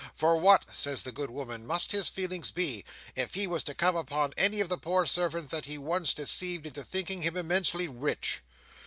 "For what," says the good woman, "must his feelings be, if he was to come upon any of the poor servants that he once deceived into thinking him immensely rich!"